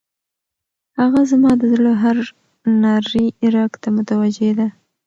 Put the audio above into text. هغه زما د زړه هر نري رګ ته متوجه ده.